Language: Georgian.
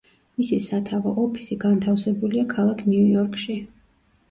მისი სათავო ოფისი განთავსებულია ქალაქ ნიუ-იორკში.